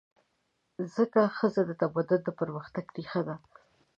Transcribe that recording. ځکه ښځه د تمدن د پرمختګ ریښه ده.